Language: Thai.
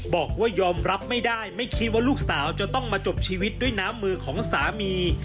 บอกว่ายอมรับไม่ได้ไม่คิดว่าลูกสาวจะต้องมาจบชีวิตด้วยน้ำมือของสามี